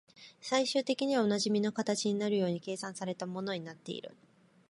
最終的にはおなじみの形になるように計算された物になっている